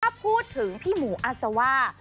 ถ้าพูดถึงพี่หมูอาซาว่า